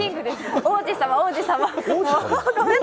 王子様、王子様。